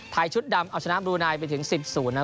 ไทยชุดดำเอาชนามรุ่นายไปถึง๑๐ศูนย์นะครับ